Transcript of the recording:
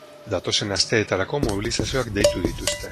Datozen asteetarako mobilizazioak deitu dituzte.